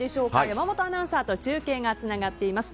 山本アナウンサーと中継がつながっています。